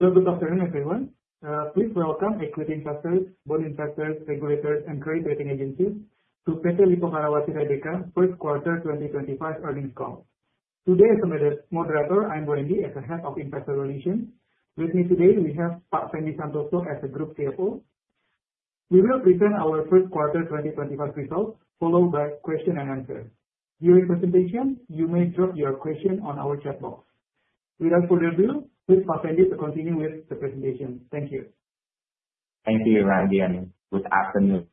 Welcome to afternoon, everyone. Please welcome equity investors, bond investors, regulators, and trade rating agencies to PT Lippo Karawaci Tbk's first quarter 2025 earnings call. Today, as a moderator, I'm Randy as the Head of Investor Relations. With me today, we have Pak Fendi Santoso as the Group CFO. We will present our first quarter 2025 results, followed by questions and answers. During presentation, you may drop your question on our chat box. Without further ado, please Pak Fendi to continue with the presentation. Thank you. Thank you, Randy, and good afternoon,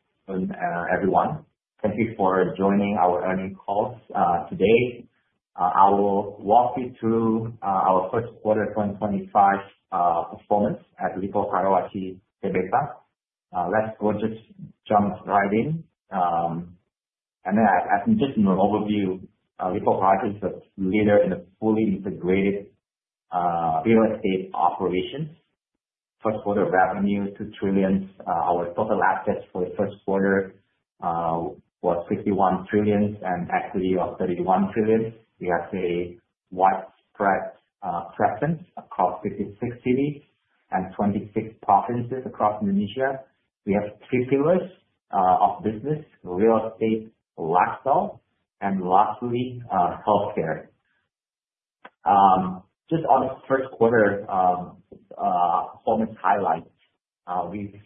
everyone. Thank you for joining our earnings calls today. I will walk you through our first quarter 2025 performance at Lippo Karawaci. Let's just jump right in. As an overview, Lippo Karawaci is a leader in fully integrated real estate operations. First quarter revenue, 2 trillion. Our total assets for the first quarter were 61 trillion and equity of 31 trillion. We have a widespread presence across 56 cities and 26 provinces across Indonesia. We have three pillars of business: real estate, lifestyle, and lastly, healthcare. Just on the first quarter performance highlights,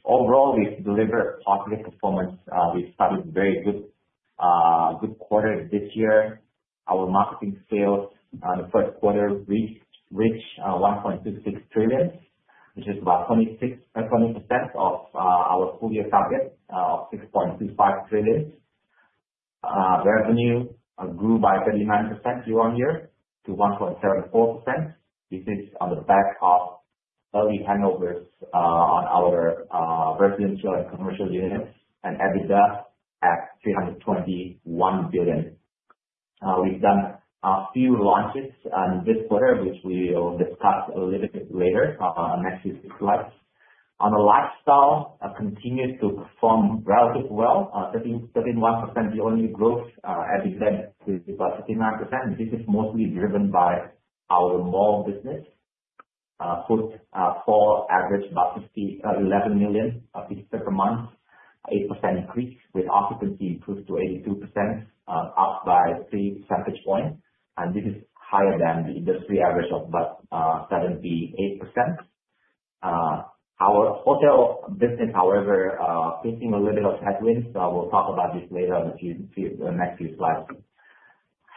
overall, we've delivered a positive performance. We started a very good quarter this year. Our marketing sales in the first quarter reached 1.26 trillion, which is about 26% of our full-year target of 6.25 trillion. Revenue grew by 39% year-on-year to 1.74%. This is on the back of early handovers on our residential and commercial units and EBITDA at 321 billion. We've done a few launches in this quarter, which we will discuss a little bit later on the next few slides. On the lifestyle, it continues to perform relatively well, 31% yearly growth, EBITDA is about 69%. This is mostly driven by our mall business, put for average about $11 million per month, an 8% increase, with occupancy improved to 82%, up by 3 percentage points. This is higher than the industry average of about 78%. Our hotel business, however, is facing a little bit of headwinds. We'll talk about this later on the next few slides.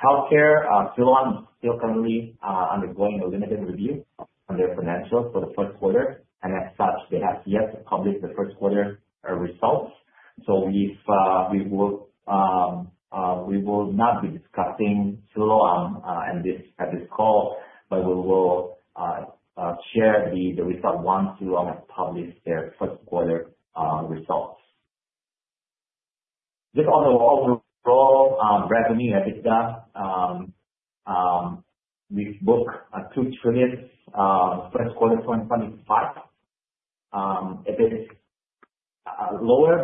Healthcare, Siloam is still currently undergoing a limited review on their financials for the first quarter. As such, they have yet to publish the first quarter results. We will not be discussing Siloam at this call, but we will share the results once Siloam has published their first quarter results. Just on the overall revenue, EBITDA, we booked 2 trillion first quarter 2025. It is lower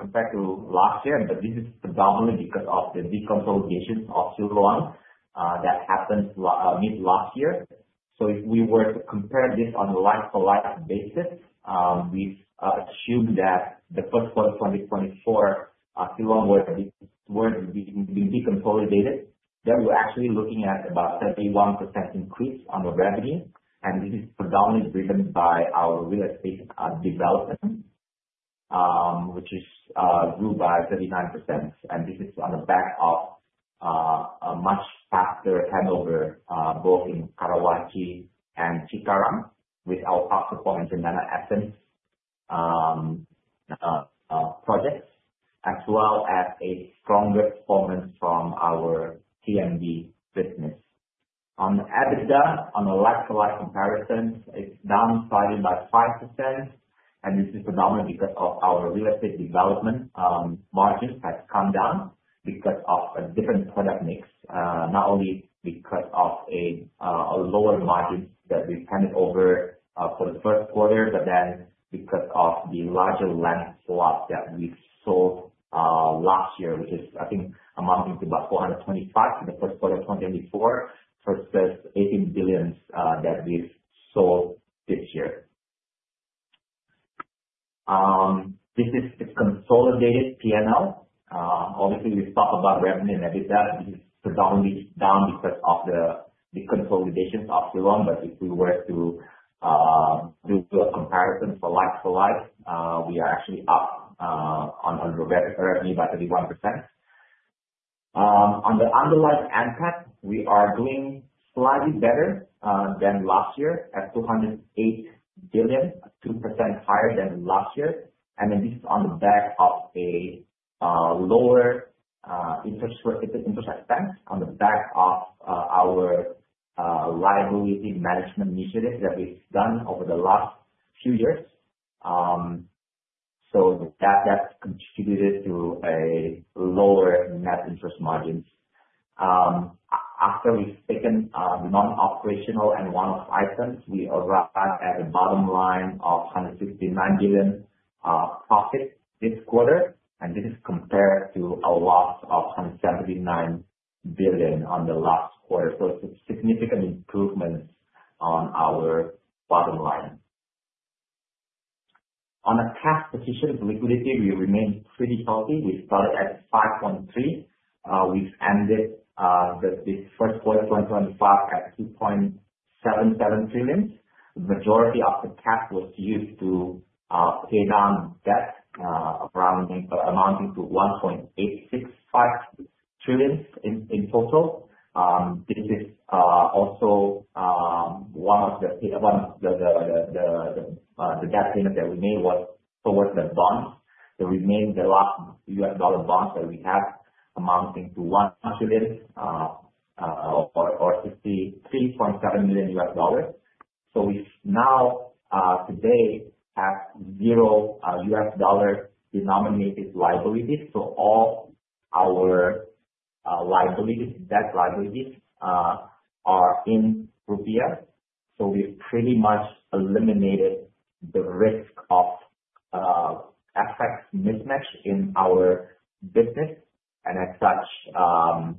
compared to last year, but this is predominantly because of the de-consolidation of Siloam that happened mid-last year. If we were to compare this on a like-for-like basis, we assume that the first quarter 2024, Siloam were being de-consolidated, then we are actually looking at about a 31% increase on the revenue. This is predominantly driven by our real estate development, which grew by 39%. This is on the back of a much faster handover both in Karawaci and Cikarang with AlphaCo and Cendana Essence projects, as well as a stronger performance from our TNB business. On EBITDA, on a like-for-like comparison, it is downsizing by 5%. This is predominantly because our real estate development margins have come down because of a different product mix, not only because of a lower margin that we handed over for the first quarter, but then because of the larger land swap that we sold last year, which is, I think, amounting to about $425 million for the first quarter of 2024 versus 18 billion that we've sold this year. This is the consolidated P&L. Obviously, we talk about revenue and EBITDA. This is predominantly down because of the consolidations of Siloam. If we were to do a comparison for like-for-like, we are actually up on the revenue by 31%. On the underlying NTAC, we are doing slightly better than last year at 208 billion, 2% higher than last year. This is on the back of a lower interest expense on the back of our liability management initiative that we've done over the last few years. That contributed to a lower net interest margins. After we've taken non-operational and one-off items, we arrived at a bottom line of 169 billion profit this quarter. This is compared to a loss of 179 billion on the last quarter. It is a significant improvement on our bottom line. On the cash position, liquidity, we remained pretty healthy. We started at 5.3 trillion. We have ended the first quarter 2025 at 2.77 trillion. The majority of the cash was used to pay down debt amounting to 1.865 trillion in total. One of the debt payments that we made was towards the bonds. The remaining US dollar bonds that we have amounting to $1 trillion or $3.7 million US dollars. We now, today, have zero US dollar denominated liabilities. All our debt liabilities are in rupiah. We've pretty much eliminated the risk of asset mismatch in our business. As such,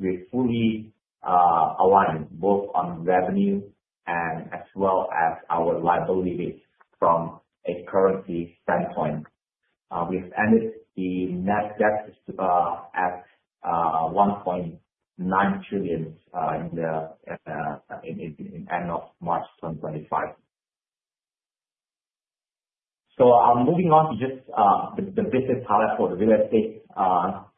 we're fully aligned both on revenue and as well as our liabilities from a currency standpoint. We've ended the net debt at 1.9 trillion in the end of March 2025. Moving on to just the business product for the real estate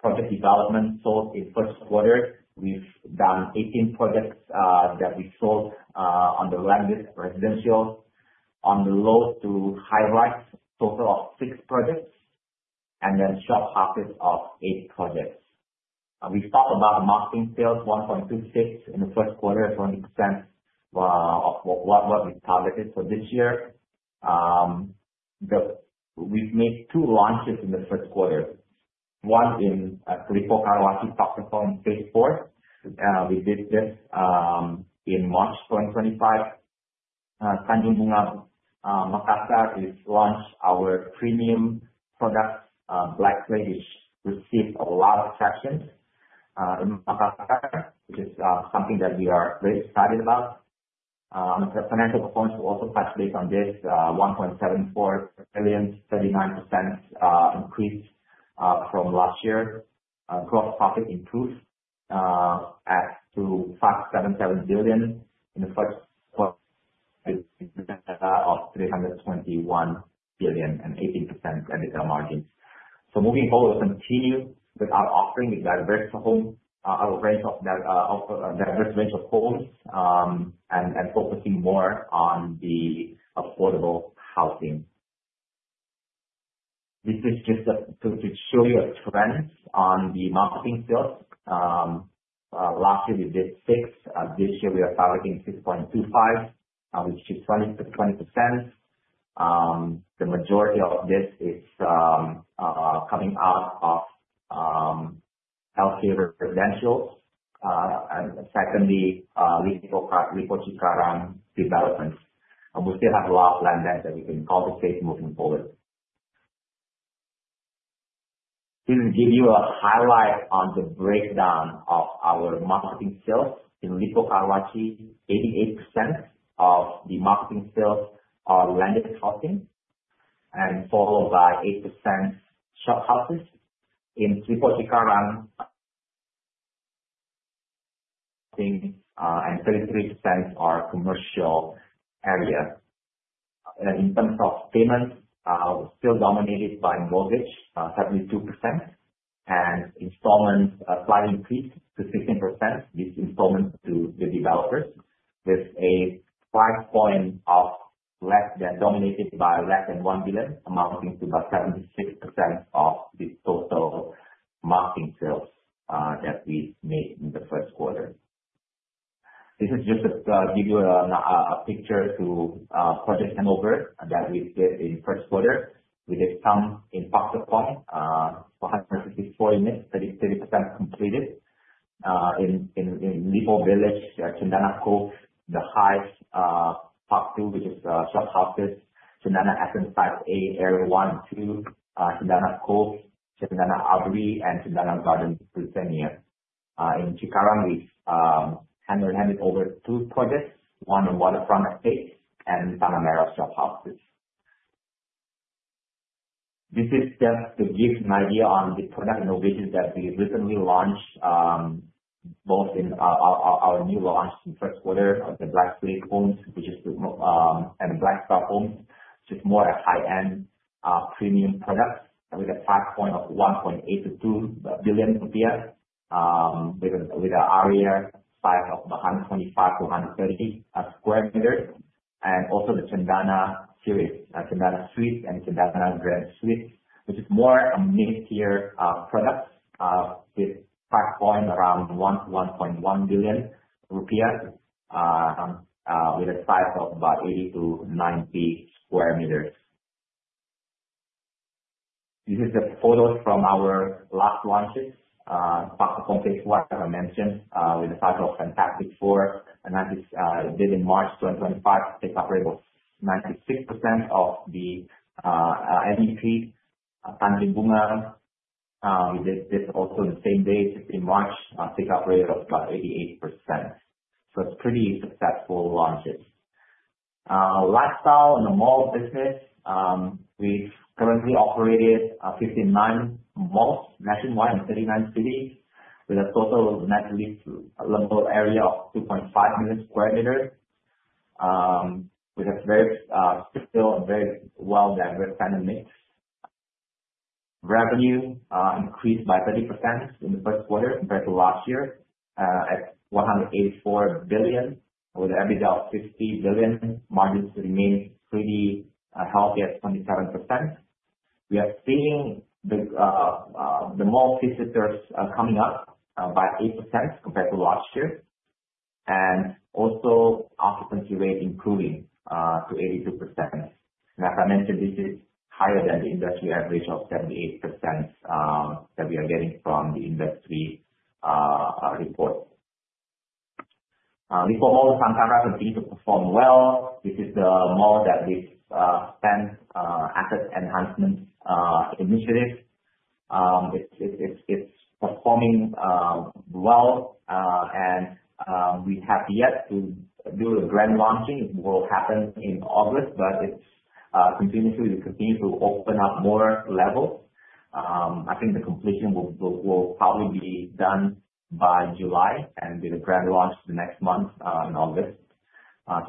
project development sold in first quarter. We've done 18 projects that we sold on the land list residential, on the low to high rights, total of six projects, and then shop houses of eight projects. We talked about marketing sales, 1.26 trillion in the first quarter, 20% of what we targeted for this year. We've made two launches in the first quarter, one in Lippo Karawaci in phase four. We did this in March 2025. Tanjung Bunga, Makassar, we launched our premium product, Black Clay, which received a lot of traction in Makassar, which is something that we are very excited about. On the financial performance, we also touched base on this, 1.74 trillion, 39% increase from last year. Gross profit improved to 577 billion in the first quarter from 321 billion and 18% EBITDA margins. Moving forward, we'll continue with our offering. We've diversified our range of homes and focusing more on the affordable housing. This is just to show you a trend on the marketing sales. Last year, we did six. This year, we are targeting 6.25, which is 20%. The majority of this is coming out of healthcare residentials. Secondly, Lippo Cikarang developments. We still have a lot of land that we can contestate moving forward. To give you a highlight on the breakdown of our marketing sales in Lippo Karawaci, 88% of the marketing sales are landed housing, followed by 8% shop houses in Lippo Cikarang, and 33% are commercial areas. In terms of payments, still dominated by mortgage, 72%, and installments slightly increased to 16%. This installment to the developers with a price point of less than $1 billion, amounting to about 76% of the total marketing sales that we made in the first quarter. This is just to give you a picture to project handover that we did in first quarter. We did some impact upon for 154 units, 33% completed in Lippo Village, Cendana Cove, the highest part two, which is shop houses, Cendana Essence Type A, Area One, Two, Cendana Cove, Cendana Audrey, and Cendana Garden Prisenya. In Cikarang, we handed over two projects, one on Waterfront Estates and Panamera Shop Houses. This is just to give an idea on the product innovations that we recently launched, both in our new launch in first quarter of the Black Lake Homes and Black Star Homes, which is more a high-end premium product. We have price point of $1.82 billion with an area size of 125-130 sq m, and also the Cendana series, Cendana Suites and Cendana Grand Suites, which is more a mid-tier product with price point around $1.1 billion with a size of about 80-90 sq m. These are the photos from our last launches. Pakong Taipuan I mentioned with a title of Fantastic Four. And that is did in March 2025, take up rate of 96% of the MEP. Tanjung Bunga, we did this also on the same day, 15 March, take up rate of about 88%. It is pretty successful launches. Lifestyle and the mall business, we have currently operated 59 malls, nationwide in 39 cities with a total net lease level area of 2.5 million sq m. We have very still a very well-diversified mix. Revenue increased by 30% in the first quarter compared to last year at 184 billion with an EBITDA of 50 billion. Margins remain pretty healthy at 27%. We are seeing the mall visitors coming up by 8% compared to last year. Also occupancy rate improving to 82%. As I mentioned, this is higher than the industry average of 78% that we are getting from the industry report. Lippo Mall Santara continues to perform well. This is the mall that we spent asset enhancement initiative. It is performing well. We have yet to do a grand launching. It will happen in August, but it is continuing to open up more levels. I think the completion will probably be done by July, with a grand launch the next month in August.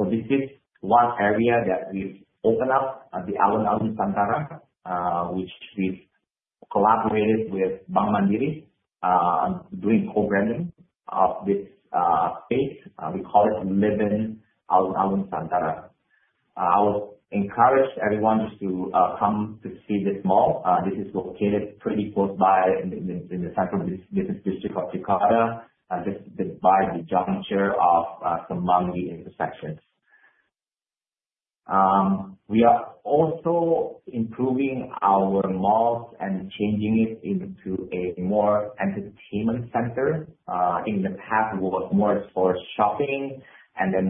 This is one area that we have opened up, the Alun-Alun Santara, which we have collaborated with Bank Mandiri doing co-branding of this space. We call it Living Alun-Alun Santara. I would encourage everyone just to come to see this mall. This is located pretty close by in the Central Business District of Cikarang, just by the juncture of Semanggi intersections. We are also improving our malls and changing it into a more entertainment center. I think in the past it was more for shopping and then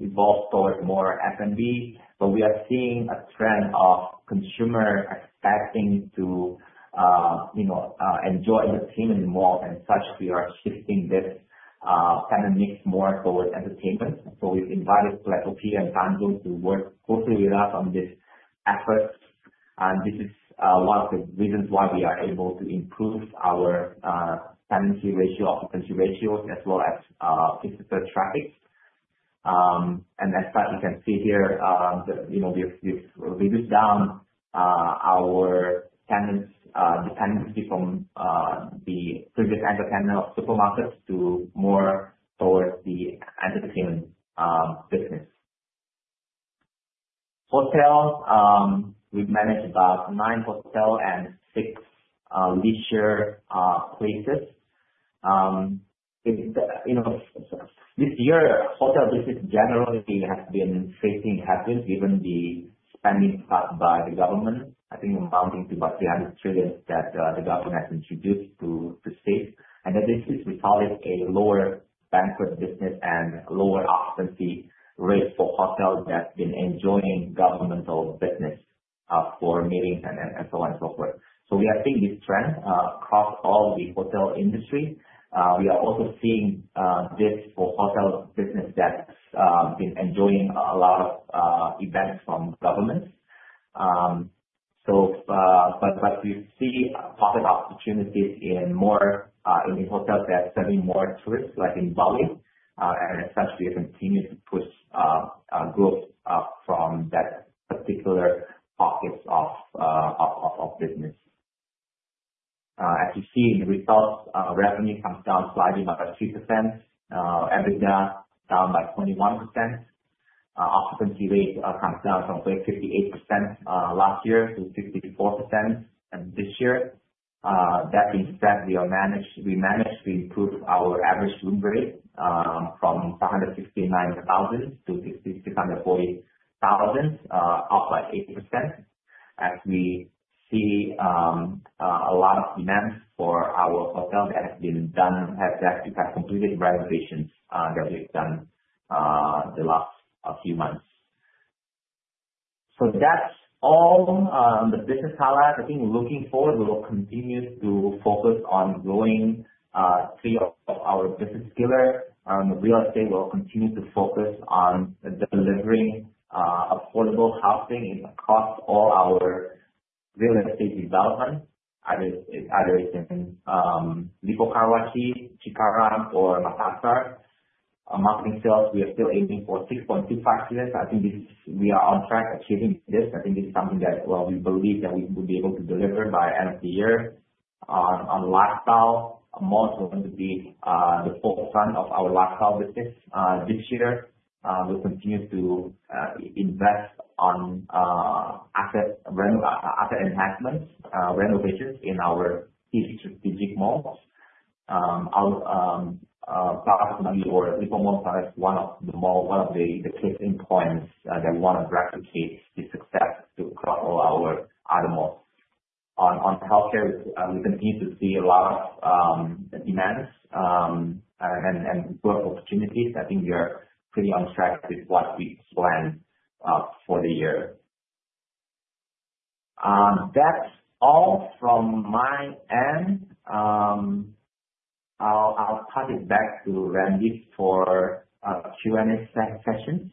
evolved towards more F&B. We are seeing a trend of consumers expecting to enjoy entertainment in malls. As such, we are shifting this kind of mix more towards entertainment. We have invited Peletopia and Tanjung to work closely with us on this effort. This is one of the reasons why we are able to improve our tenancy ratio, occupancy ratios, as well as visitor traffic. As such, you can see here we have reduced down our tenants' dependency from the previous entertainment of supermarkets to more towards the entertainment business. Hotels, we have managed about nine hotels and six leisure places. This year, hotel business generally has been facing headwinds given the spending cut by the government, I think amounting to about 300 trillion that the government has introduced to the state. This is, we call it, a lower banquet business and lower occupancy rate for hotels that have been enjoying governmental business for meetings and so on and so forth. We are seeing this trend across all the hotel industry. We are also seeing this for hotel business that's been enjoying a lot of events from governments. We see pocket opportunities in hotels that are serving more tourists, like in Bali. As such, we have continued to push growth from that particular pockets of business. As you see in the results, revenue comes down slightly by about 2%. EBITDA down by 21%. Occupancy rate comes down from 58% last year to 64% this year. That being said, we managed to improve our average room rate from 569,000 to 640,000, up by 8%. As we see a lot of demands for our hotel that have been done, have completed renovations that we've done the last few months. That's all on the business highlights. I think looking forward, we'll continue to focus on growing three of our business pillars. Real estate, we'll continue to focus on delivering affordable housing across all our real estate developments, either in Lippo Karawaci, Cikarang, or Makassar. Marketing sales, we are still aiming for 6.25 trillion. I think we are on track achieving this. I think this is something that we believe that we will be able to deliver by end of the year. On lifestyle, malls are going to be the forefront of our lifestyle business this year. We'll continue to invest on asset enhancements, renovations in our key strategic malls. Lippo Mall is one of the malls, one of the closing points that we want to replicate the success across all our other malls. On healthcare, we continue to see a lot of demands and growth opportunities. I think we are pretty on track with what we plan for the year. That's all from my end. I'll pass it back to Randy for Q&A sessions. Thank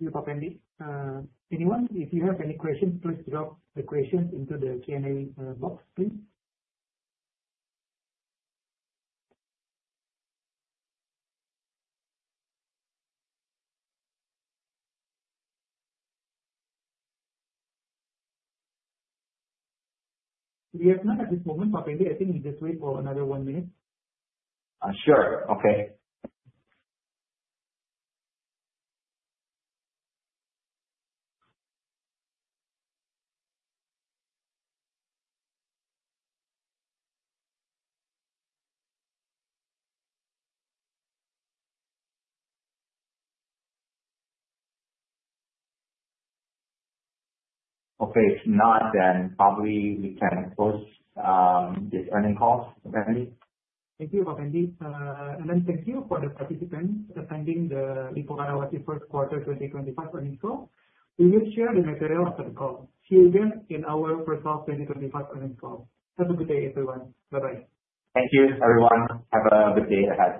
you for being here. Anyone, if you have any questions, please drop the questions into the Q&A box, please. We have none at this moment, but Randy, I think we just wait for another one minute. Sure. Okay. Okay. If not, then probably we can close this earnings call, Randy. Thank you, Pak Andy. Thank you for the participants attending the Lippo Karawaci first quarter 2025 earnings call. We will share the material after the call. See you again in our first half 2025 earnings call. Have a good day, everyone. Bye-bye. Thank you, everyone. Have a good day ahead.